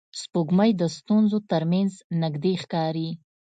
سپوږمۍ د ستورو تر منځ نږدې ښکاري